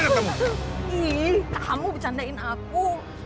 kamu bercandain aku